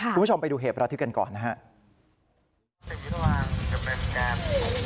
คุณผู้ชมไปดูเหตุประทึกกันก่อนนะครับ